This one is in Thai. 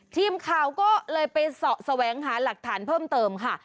ทีมข่าวก็เลยไปเสาะแสวงหาหลักฐานเพิ่มเติมค่ะ